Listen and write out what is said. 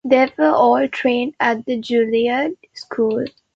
They were all trained at the Juilliard School.